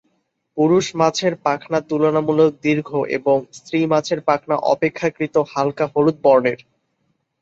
পুরুষ মাছের পাখনা তুলনামূলক দীর্ঘ এবং স্ত্রী মাছের পাখনা অপেক্ষাকৃত হালকা হলুদ বর্ণের।